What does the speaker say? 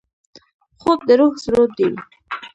خوب د روح سرود دی